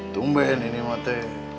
tumben ini mate